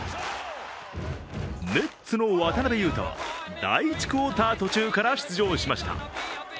ネッツの渡邊雄太は第１クオーター途中から出場しました。